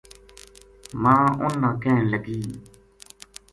ماں اُنھ نا کہن لگی